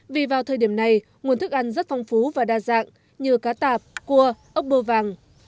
vì vào thời điểm này nguồn thức ăn rất phong phú và đa dạng như cá tạp cua ốc bô vàng